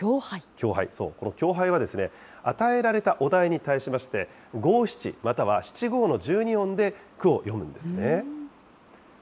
そう、この狂俳は与えられたお題に対しまして、五・七、または七・五の１２音で句を詠むんですね。